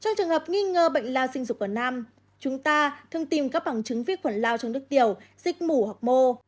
trong trường hợp nghi ngờ bệnh lao sinh dục ở nam chúng ta thường tìm các bằng chứng vi khuẩn lao trong nước tiểu dịch mù hoặc mô